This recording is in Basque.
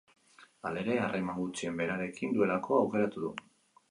Halere, harreman gutxien berarekin duelako aukeratu du.